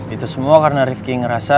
itu semua karena rifki ngerasa